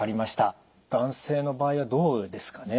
男性の場合はどうですかね？